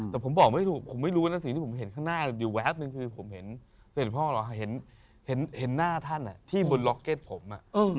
แต่ผมบอกไม่ถูกผมไม่รู้นะสิ่งที่ผมเห็นข้างหน้าอยู่แวบนึงคือผมเห็นเสร็จพ่อเหรอเห็นหน้าท่านที่บนล็อกเก็ตผม